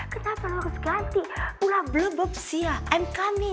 kenapa lu harus ganti